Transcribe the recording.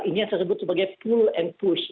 ini yang disebut sebagai pull and push